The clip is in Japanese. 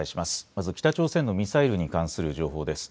まず北朝鮮のミサイルに関する情報です。